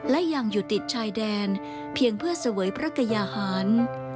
และยังอยู่ติดชายแดนเพียงเพื่อเสวยพระกยาหาร